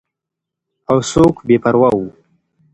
او څوک بې پروا وو.